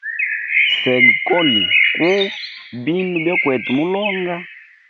Sega kowi kuu bindu byokwete mulonga.